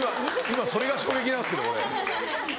今今それが衝撃なんですけど俺。